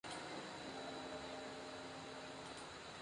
En un momento de la actuación de Sammy Davis, Jr.